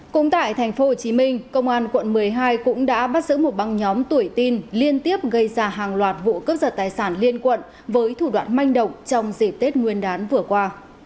cũng tại tp hcm công an quận một mươi hai cũng đã bắt giữ một băng nhóm tuổi tin liên tiếp gây ra hàng loạt vụ cướp giật tài sản liên quận với thủ đoạn manh động trong dịp tết nguyên đán vừa qua